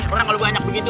orang lebih banyak begitu